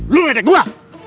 lu ngajak gua